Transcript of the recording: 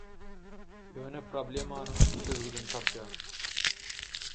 Ýöne problemanyň çözgüdini tapýar.